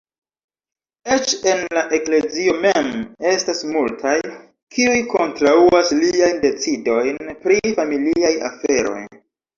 Eĉ en la eklezio mem estas multaj, kiuj kontraŭas liajn decidojn pri familiaj aferoj.